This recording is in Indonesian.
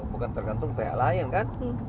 bukan tergantung pihak lain kan